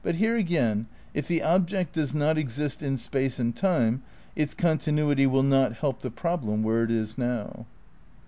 But here again, if the object does not exist in space and time its continuity will not help the prob lem where it is now.